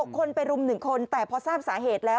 คนไปรุม๑คนแต่พอทราบสาเหตุแล้ว